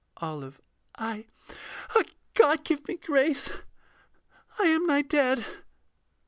OLIVE. I ah! God give me grace I am nigh dead.